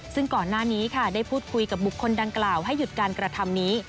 ซึ่งก่อนหน้านี้ค่ะได้พูดคุยกับบุคคลดังกล่าวให้หยุดการกระทำนี้